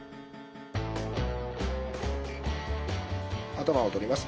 頭を取ります。